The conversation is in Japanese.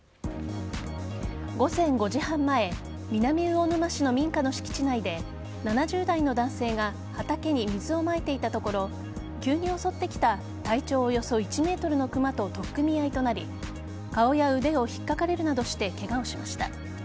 午前５時半前南魚沼市の民家の敷地内で７０代の男性が畑に水をまいていたところ急に襲ってきた体長およそ１ｍのクマと取っ組み合いとなり顔や腕を引っかかれるなどしてケガをしました。